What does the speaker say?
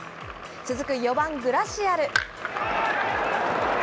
続く４番グラシアル。